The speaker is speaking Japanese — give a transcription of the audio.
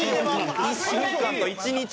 １週間と１日？